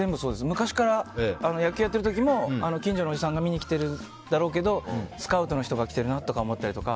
昔から、野球やっている時も近所のおじさんが見に来てるだろうけどスカウトの人が来てるなとか思ったりとか。